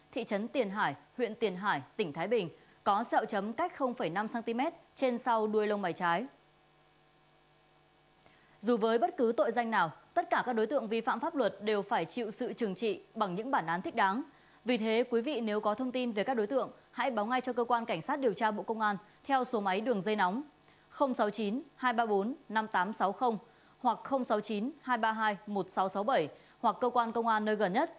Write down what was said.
thị trấn tiền hải huyện tiền hải tỉnh thái bình có sẹo chấm cách năm cm trên sau đuôi lông mày trái